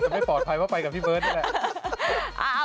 ไม่ปลอดภัยเพราะไปกับพี่เบิร์ตนี่แหละ